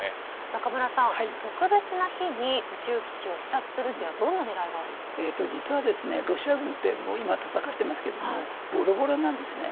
中村さん、特別な日に宇宙基地を視察するというのは実は、ロシア軍って今、戦っていますけどもボロボロなんですね。